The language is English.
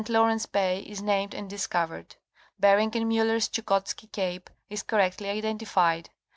Lawrence Bay is named and discovered. Ber _ ing and Miiller's Chukotski cape is correctly identified.